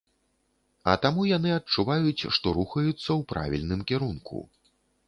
А таму яны адчуваюць, што рухаюцца ў правільным кірунку.